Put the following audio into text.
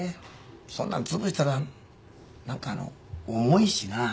そんなんつぶしたら何か重いしな。